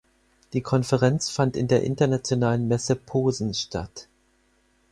Die Konferenz fand in der Internationalen Messe Posen statt.